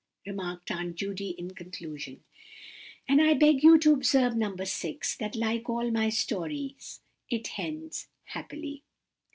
remarked Aunt Judy, in conclusion, "and I beg you to observe, No. 6, that, like all my stories, it ends happily.